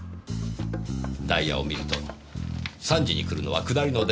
ダイヤを見ると３時に来るのは下りの電車です。